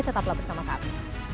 tetaplah bersama kami